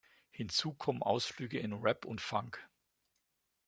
Hinzu kommen Ausflüge in Rap und Funk.